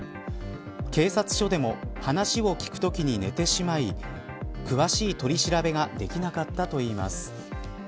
警察署でも話を聴くときに寝てしまい詳しい取り調べができなかったといいます。